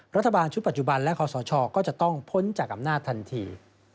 รัฐบาลชุดปัจจุบันและคอสชก็จะต้องพ้นจากอำนาจทันที